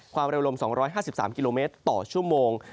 ความเร็วลม๒๕๓กิโลเมตรต่อชั่วโมง